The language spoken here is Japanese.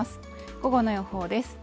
午後の予報です。